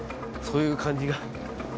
そういう感じが。